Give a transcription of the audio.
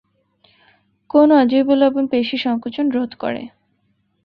কোন অজৈব লবণ পেশি সঙ্কোচন রোধ করে?